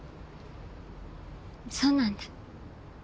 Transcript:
そうなんだ。